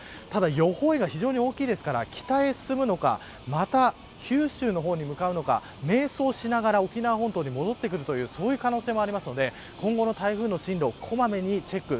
予報円が非常に大きいので北に進むのか九州に向かうのか迷走しながら沖縄本島へ戻ってくるという可能性もありますので今後の台風の進路を小まめにチェック。